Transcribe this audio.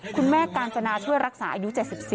คุณแม่กาญจนาช่วยรักษาอายุ๗๔